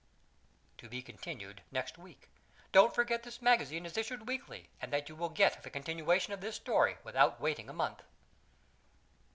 TO BE CONTINUED NEXT WEEK. Don't forget this magazine is issued weekly, and that you will get the continuation of this story without waiting a month.